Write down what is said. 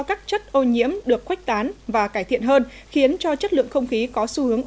các chất ô nhiễm được khoách tán và cải thiện hơn khiến cho chất lượng không khí có xu hướng